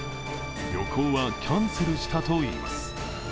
旅行はキャンセルしたといいます。